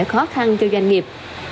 khó khăn cho doanh nghiệp